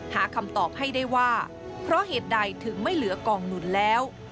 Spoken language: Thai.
หาคำตอบให้ได้ว่าเพราะเหตุใดถึงไม่เหลือกองหนุนแล้ว